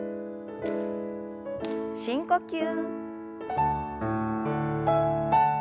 深呼吸。